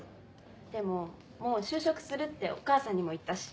でももう就職するってお母さんにも言ったし。